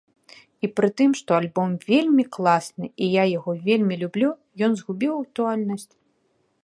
І пры тым, што альбом вельмі класны, я яго вельмі люблю, ён згубіў актуальнасць.